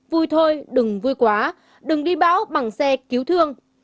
vui thôi đừng vui quá đừng đi báo bằng xe cứu thương